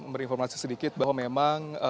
merinformasi sedikit bahwa memang